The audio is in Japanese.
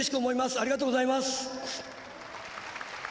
ありがとうございます。